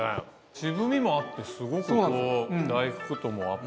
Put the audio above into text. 渋みもあってスゴくこう大福とも合って。